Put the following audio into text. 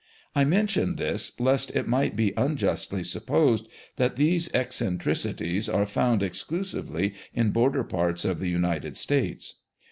I mention this, lest it might be unjustly supposed that these eccentricities are found exclusively in border parts of the United States.